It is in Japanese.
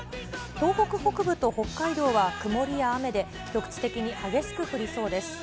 東北北部と北海道は曇りや雨で、局地的に激しく降りそうです。